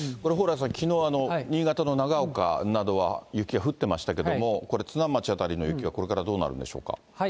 蓬莱さん、きのう、新潟の長岡などは雪が降ってましたけども、津南町辺りの雪はこれからどうなるんでしょうか。